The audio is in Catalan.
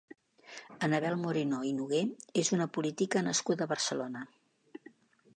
Annabel Moreno i Nogué és una política nascuda a Barcelona.